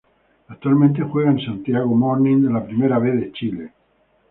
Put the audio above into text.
Actualmente juega en Santiago Morning de la Primera B de Chile.